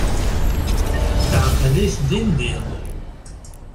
Teɛqel-it din din.